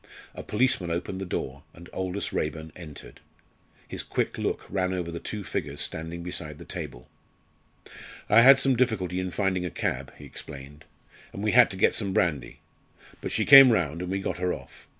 A policeman opened the door, and Aldous Raeburn entered. His quick look ran over the two figures standing beside the table. "I had some difficulty in finding a cab," he explained, "and we had to get some brandy; but she came round, and we got her off.